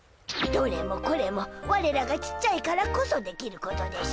どれもこれもわれらがちっちゃいからこそできることでしゅ。